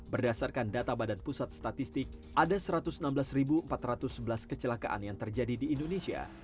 berdasarkan data badan pusat statistik ada satu ratus enam belas empat ratus sebelas kecelakaan yang terjadi di indonesia